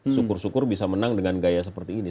syukur syukur bisa menang dengan gaya seperti ini